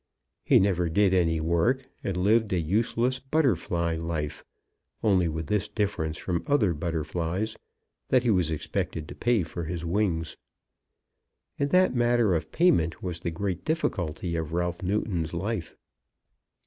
He never did any work, and lived a useless, butterfly life, only with this difference from other butterflies, that he was expected to pay for his wings. In that matter of payment was the great difficulty of Ralph Newton's life.